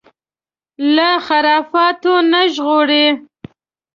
له خرافاتو نه ژغوري